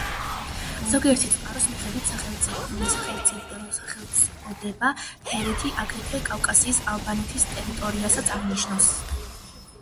ზოგიერთი წყაროს მიხედვით სახელწოდება „ჰერეთი“ აგრეთვე კავკასიის ალბანეთის ტერიტორიასაც აღნიშნავს.